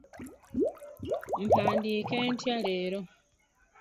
Mpandiike ntya leero?